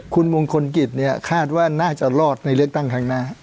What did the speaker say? คุณมงคลกิจเนี่ยคาดว่าน่าจะรอดในเลือกตั้งครั้งหน้า